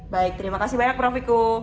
baik terima kasih banyak prof wiku